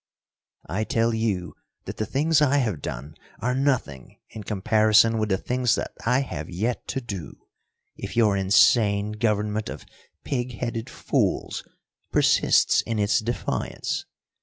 "I tell you that the things I have done are nothing in comparison with the things that I have yet to do, if your insane government of pig headed fools persists in its defiance.